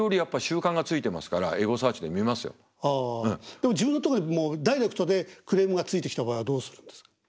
でも自分のとこにもうダイレクトでクレームがついてきた場合はどうするんですか？